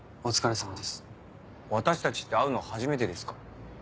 私たちって会うの初めてですか？